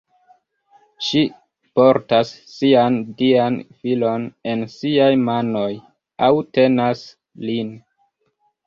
Ŝi portas sian dian filon en siaj manoj, aŭ tenas lin.